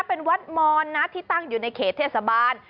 เป็นวัดมอนนะที่ตั้งอยู่ในเขตเทศบาล